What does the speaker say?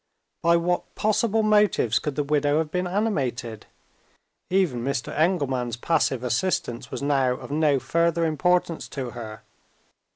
By what possible motives could the widow have been animated? Even Mr. Engelman's passive assistance was now of no further importance to her.